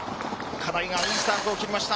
金井がいいスタートを切りました。